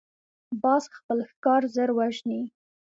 باز خپل ښکار ژر وژني